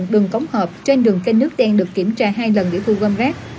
đang được kiểm tra hai lần để vui vâm rác